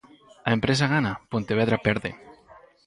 A empresa gana, Pontevedra perde.